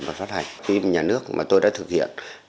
và phát hành phim nhà nước mà tôi đã thực hiện